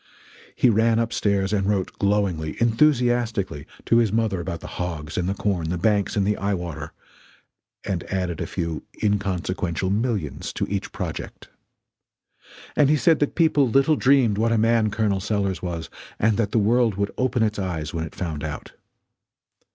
He ran up stairs and wrote glowingly, enthusiastically, to his mother about the hogs and the corn, the banks and the eye water and added a few inconsequential millions to each project. And he said that people little dreamed what a man Col. Sellers was, and that the world would open its eyes when it found out.